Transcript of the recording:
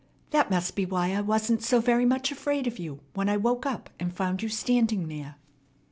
"That must be why I wasn't so very much afraid of you when I woke up and found you standing there."